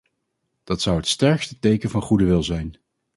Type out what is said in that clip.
Dat zou het sterkste teken van goede wil zijn.